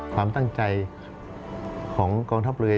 ความตั้งใจของกองทัพเรือ